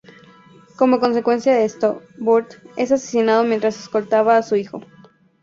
Como consecuencia de esto, Burt es asesinado mientras escoltaba a su hijo.